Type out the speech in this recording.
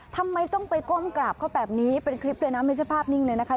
ทำไมต้องไปก้มกราบเขาแบบนี้เป็นคลิปเลยนะไม่ใช่ภาพนิ่งเลยนะคะ